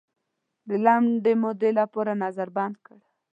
د لنډې مودې لپاره نظر بند کړ.